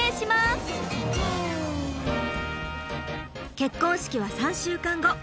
結婚式は３週間後。